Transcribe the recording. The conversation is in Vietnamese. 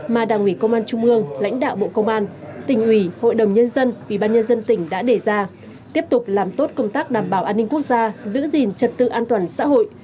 mà đảng ủy công an trung mương lãnh đạo bộ công an tỉnh ủy hội đồng nhân dân ubnd tỉnh đã đề ra tiếp tục làm tốt công tác đảm bảo an ninh quốc gia giữ gìn trật tự an toàn xã hội